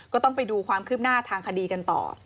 ก็ต้องไปดูความคืบหน้าทางคดีกันต่อ